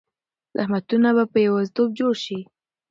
زخمونه به په یوازیتوب کې جوړ شي.